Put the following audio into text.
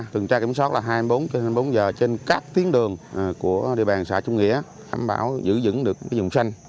tình trạng kiểm soát là hai mươi bốn trên hai mươi bốn giờ trên các tiến đường của địa bàn xã trung nghĩa khám bảo giữ dững được vùng xanh